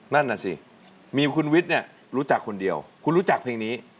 นั่นน่ะสิมีคุณวิทย์เนี่ยรู้จักคนเดียวคุณรู้จักเพลงนี้